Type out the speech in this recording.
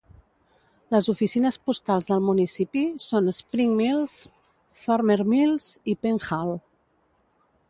Les oficines postals del municipi són Spring Mills, Farmers Mills i Penn Hall.